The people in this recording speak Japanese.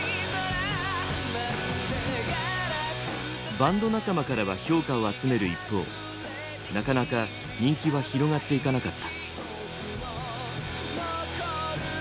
バンド仲間からは評価を集める一方なかなか人気は広がっていかなかった。